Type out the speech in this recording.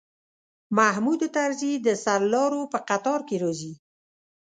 محمود طرزی د سرلارو په قطار کې راځي.